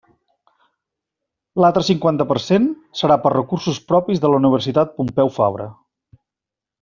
L'altre cinquanta per cent serà per recursos propis de la Universitat Pompeu Fabra.